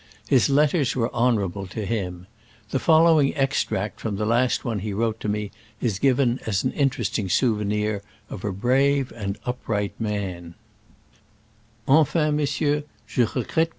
His letters were honorable to him. The following extract from the last one he wrote to me is given as an interesting souvenir of a brave and upright man : ^^iG^ /> ^S&^y^ 0^ *.